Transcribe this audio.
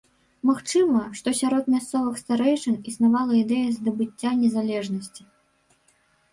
Магчыма, што сярод мясцовых старэйшын існавала ідэя здабыцця незалежнасці.